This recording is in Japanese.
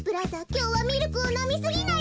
きょうはミルクをのみすぎないでね。